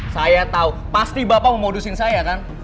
saya tau pasti bapak mau modusin saya kan